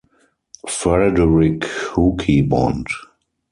Frederick Hookey Bond.